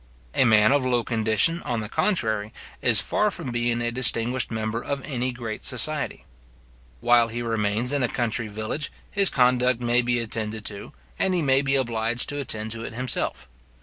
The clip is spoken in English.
A man of low condition, on the contrary, is far from being a distinguished member of any great society. While he remains in a country village, his conduct may be attended to, and he may be obliged to attend to it himself.